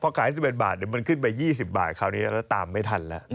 พอขาย๑๑บาทเดี๋ยวมันขึ้นไป๒๐บาทคราวนี้แล้วตามไม่ทันแล้ว